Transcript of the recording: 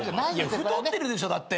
太ってるでしょだって。